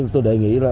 tôi đề nghị là